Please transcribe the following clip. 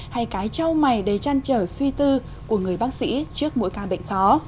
hay cái trao mày đầy trăn trở suy tư của người bác sĩ trước mỗi ca bệnh khó